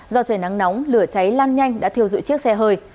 do trời nắng nóng lửa cháy lan nhanh đã thiêu dụi chiếc xe hơi